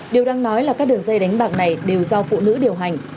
điều đang nói là các đường dây đánh bạc này đều do phụ nữ điều hành